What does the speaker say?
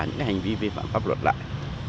những hành vi vi phạm pháp luật lại